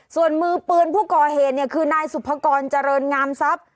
ส่วนมือปืนผู้ก่อเหตุเนี่ยคือนายสุภกรเจริญงามทรัพย์